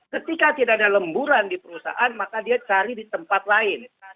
ketika tidak ada lemburan di perusahaan maka dia cari di tempat lain